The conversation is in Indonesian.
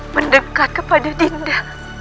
mendekat kepada dinda